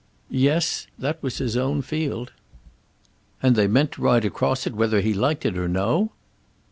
"Yes; that was his own field." "And they meant to ride across it whether he liked it or no?"